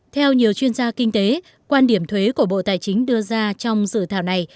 theo nhiều chuyên gia kinh tế quan điểm thuế của bộ tài chính đưa ra trong dự thảo này